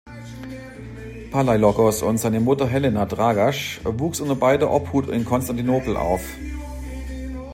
Palaiologos und seiner Mutter Helena Dragaš und wuchs unter beider Obhut in Konstantinopel auf.